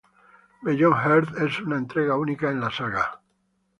Beyond Earth es una entrega única en la saga.